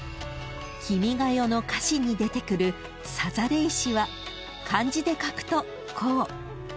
［『君が代』の歌詞に出てくる「さざれ石」は漢字で書くとこう］